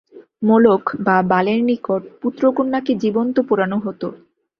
মোলখ বা বালের নিকট পুত্রকন্যাকে জীবন্ত পোড়ানো হত।